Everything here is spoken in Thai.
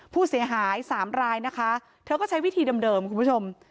ผู้เสียหายสามรายนะคะเธอก็ใช้วิธีเดิมคุณผู้ชม